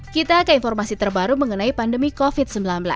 kita ke informasi terbaru mengenai pandemi covid sembilan belas